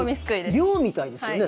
漁みたいですよね。